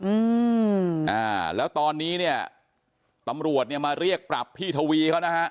อืมอ่าแล้วตอนนี้เนี่ยตำรวจเนี่ยมาเรียกปรับพี่ทวีเขานะฮะ